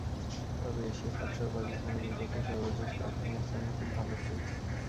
তবে এশিয়া কাপসহ পাকিস্তানের বিপক্ষে সর্বশেষ কয়েকটি ম্যাচে আমরা খুব ভালো করেছি।